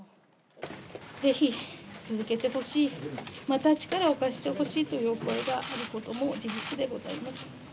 ぜひ続けてほしい、また力を貸してほしいというお声があることも事実でございます。